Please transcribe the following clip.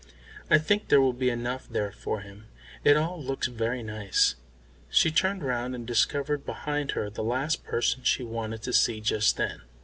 "I think there will be enough there for him. It all looks very nice." She turned round and discovered behind her the last person she wanted to see just then.